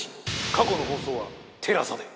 過去の放送はＴＥＬＡＳＡで。